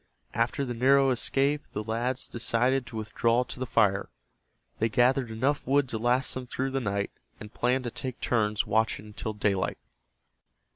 After that narrow escape the lads decided to withdraw to the fire. They gathered enough wood to last them through the night, and planned to take turns watching until daylight.